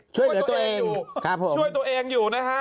ช่วยตัวเองอยู่นะฮะ